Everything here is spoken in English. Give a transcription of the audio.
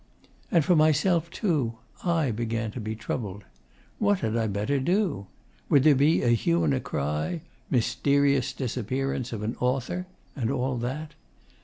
And for myself, too, I began to be troubled. What had I better do? Would there be a hue and cry Mysterious Disappearance of an Author, and all that?